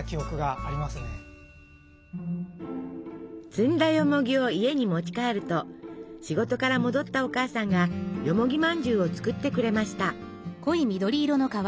摘んだよもぎを家に持ち帰ると仕事から戻ったお母さんがよもぎまんじゅうを作ってくれました。